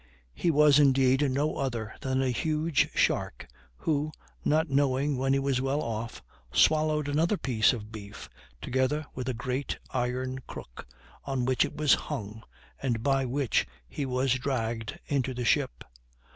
He was, indeed, no other than a huge shark, who, not knowing when he was well off, swallowed another piece of beef, together with a great iron crook on which it was hung, and by which he was dragged into the ship.